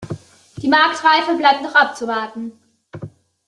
Die Marktreife bleibt noch abzuwarten.